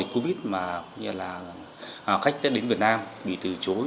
covid mà khách đến việt nam bị từ chối